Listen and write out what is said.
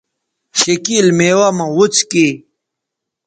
شِکِیل میوہ مہ وڅکیئ